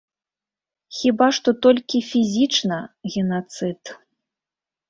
Хіба што толькі фізічна, генацыд.